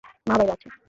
মা বাইরে আছে।